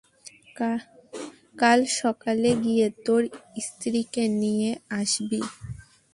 কাল সকালে গিয়ে তোর স্ত্রী কে নিয়ে আসবি।